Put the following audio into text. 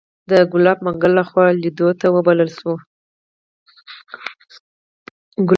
د ګلاب منګل لخوا لیدو ته وبلل شوو.